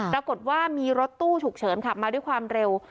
ปรากฏว่ามีรถตู้ฉุกเฉินขับมาด้วยความเร็ว